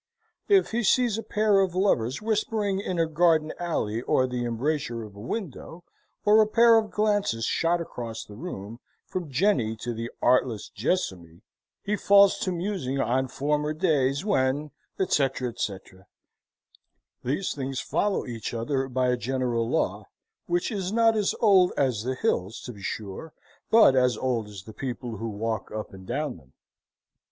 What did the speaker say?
If he sees a pair of lovers whispering in a garden alley or the embrasure of a window, or a pair of glances shot across the room from Jenny to the artless Jessamy, he falls to musing on former days when, etc. etc. These things follow each other by a general law, which is not as old as the hills, to be sure, but as old as the people who walk up and down them.